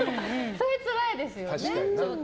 それはつらいですよね。